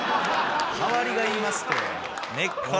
周りが言いますて。